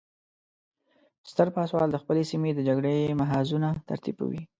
ستر پاسوال د خپلې سیمې د جګړې محاذونه ترتیبوي.